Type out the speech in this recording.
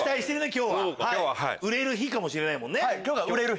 今日は売れる日かもしれないもんね。